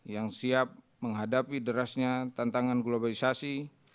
yang siap menghadapi derasnya tantangan globalisasi